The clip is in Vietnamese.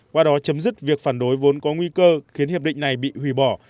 qua đó chấm dứt việc phản đối vốn có nguy cơ khiến hiệp định này bị hủy bỏ